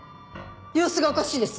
様子がおかしいです！